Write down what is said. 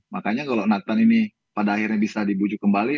makanya kalau nathan ini pada akhirnya bisa dibujuk kembali